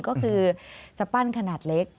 ก็คือจะปั้นขนาดเล็ก